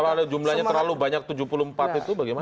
kalau ada jumlahnya terlalu banyak tujuh puluh empat itu bagaimana